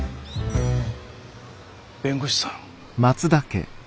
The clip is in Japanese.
弁護士さん？